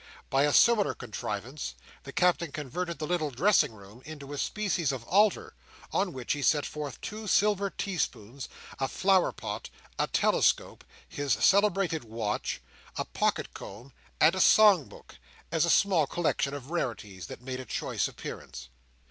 By a similar contrivance, the Captain converted the little dressing table into a species of altar, on which he set forth two silver teaspoons, a flower pot, a telescope, his celebrated watch, a pocket comb, and a song book, as a small collection of rarities, that made a choice appearance.